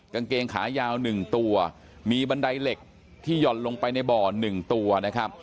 กางเกงขายาว๑ตัวมีบันไดเหล็กที่หย่อนลงไปในบ่อหนึ่งตัวนะครับ